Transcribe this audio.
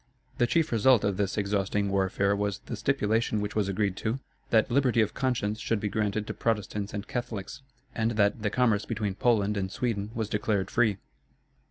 The chief result of this exhausting warfare was the stipulation which was agreed to, that liberty of conscience should be granted to Protestants and Catholics, and that the commerce between Poland and Sweden was declared free.